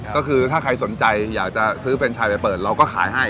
ก็คือถ้าใครสนใจอยากจะซื้อแฟนชายไปเปิดเราก็ขายให้